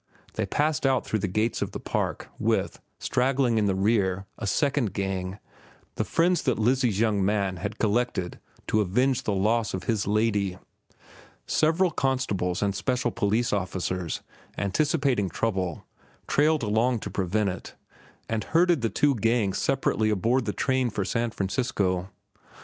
They passed out through the gates of the park with, straggling in the rear, a second gang, the friends that Lizzie's young man had collected to avenge the loss of his lady. Several constables and special police officers, anticipating trouble, trailed along to prevent it, and herded the two gangs separately aboard the train for San Francisco.